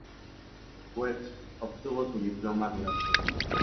West obtuvo su diploma a duras penas.